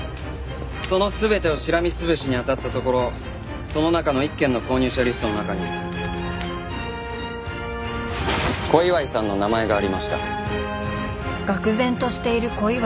その全てをしらみ潰しに当たったところその中の一軒の購入者リストの中に小祝さんの名前がありました。